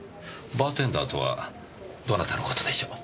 バーテンダーとはどなたの事でしょう？